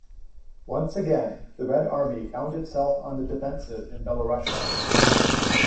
Once again, the Red Army found itself on the defensive in Belorussia.